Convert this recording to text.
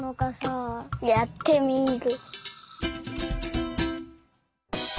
やってみる。